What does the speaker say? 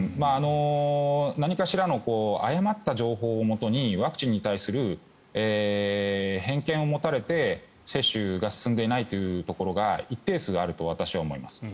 何かしらの誤った情報をもとにワクチンに対する偏見を持たれて接種が進んでいないというところが一定数あると私は思います。